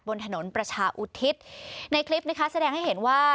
บนถนนประชาอุทิศในคลิปนะคะแสดงให้เห็นว่า